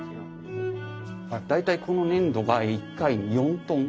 大体この粘土が１回に４トン。